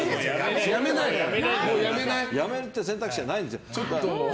やめるっていう選択肢はないんです。